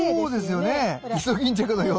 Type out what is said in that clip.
イソギンチャクのような。